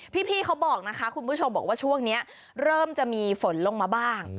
พี่เขาบอกนะคะคุณผู้ชมบอกว่าช่วงนี้เริ่มจะมีฝนลงมาบ้าง